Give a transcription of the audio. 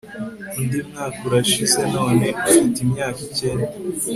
Undi mwaka urashize none ufite imyaka icyenda